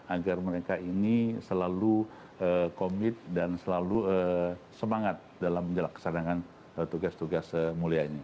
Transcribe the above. agar mereka ini selalu komit dan selalu semangat dalam menjalankan tugas tugas mulia ini